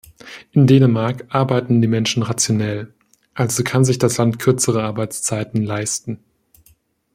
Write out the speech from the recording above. In Dänemark arbeiten die Menschen rationell, also kann sich das Land kürzere Arbeitszeiten leisten.